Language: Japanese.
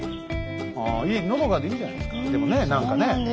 ああのどかでいいじゃないですかでもね何かねえ。